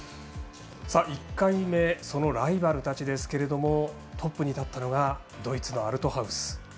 １回目そのライバルたちですけれどもトップに立ったのはドイツのアルトハウス。